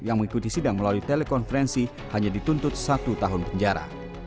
yang mengikuti sidang melalui telekonferensi hanya dituntut satu tahun penjara